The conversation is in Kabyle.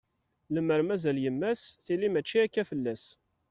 Lemmer mazal yemma-s, tili mačči akka fell-as.